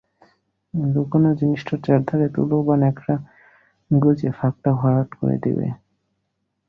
লুকোনো জিনিসটার চারধারে তুলো বা ন্যাকড়া গুঁজে ফাঁকটা ভরাট করে দিলে।